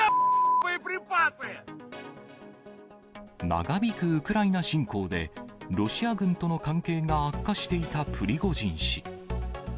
長引くウクライナ侵攻で、ロシア軍との関係が悪化していたプリゴジン氏。